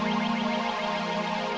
yuk yuk yuk